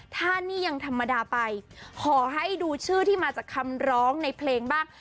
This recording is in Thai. ถ้านี่ยังธรรมดาไปขอให้ดูชื่อที่มาจากคำร้องในเพลงบ้าง